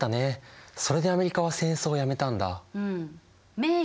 それでアメリカは戦争をやめたんだ。